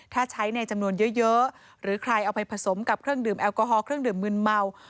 ถ้าใช้ในจำนวนเยอะหรือใครเอาไปผสมกับเครื่องดื่มแอลกอฮอลเครื่องดื่มมืนเมา